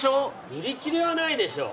売り切れはないでしょう。